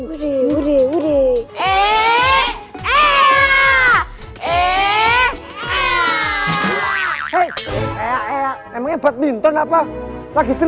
kure kure kure eh eh eh eh eh eh eh eh eh eh emangnya badminton apa lagi serius